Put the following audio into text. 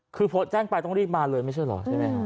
คือพอแจ้งไปต้องรีบมาเลยไม่ใช่เหรอใช่ไหมฮะ